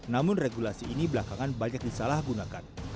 namun regulasi ini belakangan banyak disalahgunakan